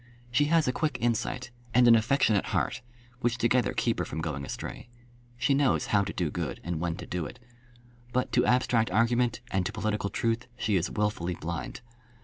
She has a quick insight, and an affectionate heart, which together keep her from going astray. She knows how to do good, and when to do it. But to abstract argument, and to political truth, she is wilfully blind.